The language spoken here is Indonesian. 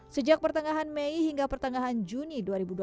sejak pertengahan mei hingga pertengahan juni dua ribu dua puluh